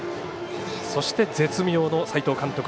そして絶妙の斎藤監督